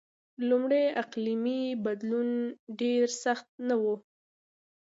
لومړی اقلیمی بدلون ډېر سخت نه و.